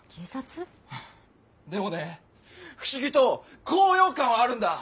でもね不思議と高揚感はあるんだ。